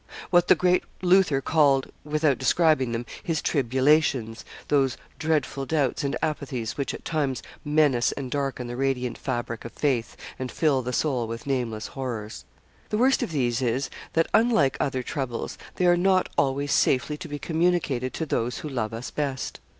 What the great Luther called, without describing them, his 'tribulations' those dreadful doubts and apathies which at times menace and darken the radiant fabric of faith, and fill the soul with nameless horrors. The worst of these is, that unlike other troubles, they are not always safely to be communicated to those who love us best.